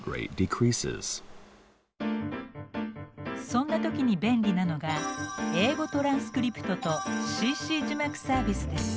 そんな時に便利なのが「英語トランスクリプト」と「ＣＣ字幕」サービスです。